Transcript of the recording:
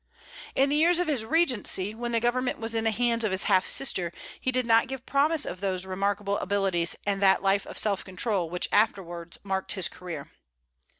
In the years of the regency, when the government was in the hands of his half sister, he did not give promise of those remarkable abilities and that life of self control which afterwards marked his career.